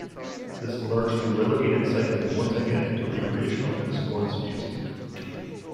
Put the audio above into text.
This largely relegated cycling once again to recreational and sports use.